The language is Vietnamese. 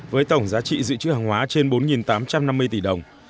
với tổng giá trị dự trữ hàng hóa trên bốn tám trăm năm mươi tỷ đồng